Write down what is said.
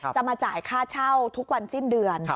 จะมาจ่ายค่าเช่าทุกวันสิ้นเดือน